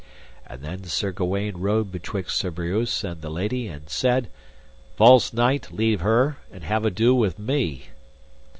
And then Sir Gawaine rode betwixt Sir Breuse and the lady, and said: False knight, leave her, and have ado with me.